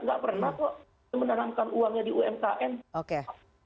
nggak pernah kok menanamkan uangnya di umkm